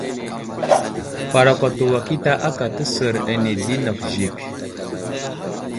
Parakwato wakita aka təsər ane di nakw Zik.